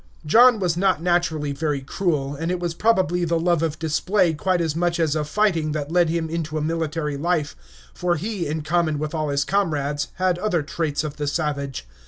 John was not naturally very cruel, and it was probably the love of display quite as much as of fighting that led him into a military life; for he, in common with all his comrades, had other traits of the savage.